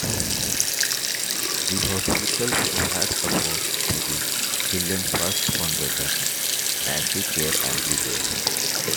The hospital provides support to the Children First Foundation, Mercy Care and The Way.